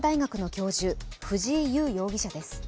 教授藤井優容疑者です。